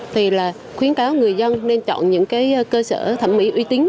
thì khuyến cáo người dân nên chọn những cơ sở thẩm mỹ uy tín